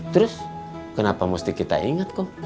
terus kenapa mesti kita ingat kok